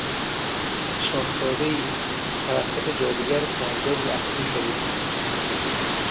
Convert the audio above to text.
شاهزادهای که توسط جادوگر سنگدلی افسون شده بود